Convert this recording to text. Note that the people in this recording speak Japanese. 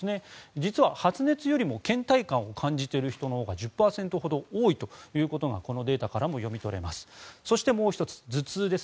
実は発熱よりもけん怠感を感じている人のほうが１０％ほど多いということがこのデータからも読み取れます。